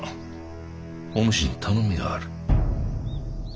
お主に頼みがある。